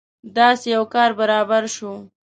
داسې یو کار برابر شو.